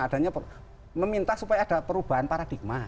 adanya meminta supaya ada perubahan paradigma